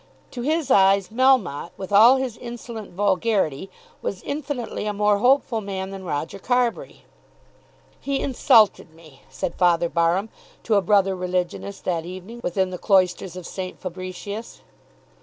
To his eyes Melmotte, with all his insolent vulgarity, was infinitely a more hopeful man than Roger Carbury. "He insulted me," said Father Barham to a brother religionist that evening within the cloisters of St. Fabricius.